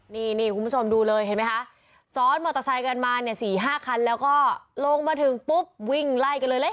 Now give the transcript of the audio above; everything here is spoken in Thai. นี่คุณผู้ชมดูเลยเห็นไหมคะซ้อนมอเตอร์ไซค์กันมาเนี่ย๔๕คันแล้วก็ลงมาถึงปุ๊บวิ่งไล่กันเลยเลย